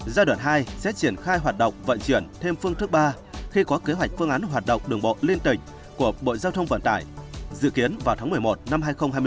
giai đoạn hai sẽ triển khai hoạt động vận chuyển thêm phương thức ba khi có kế hoạch phương án hoạt động đường bộ liên tỉnh của bộ giao thông vận tải dự kiến vào tháng một mươi một năm hai nghìn hai mươi